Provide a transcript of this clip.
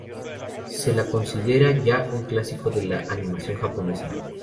Se la considera ya un clásico de la animación japonesa.